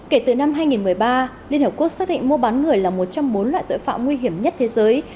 kể từ năm hai nghìn một mươi ba liên hợp quốc xác định mua bán người là một trong bốn loại tội phạm nguy hiểm nhất thế giới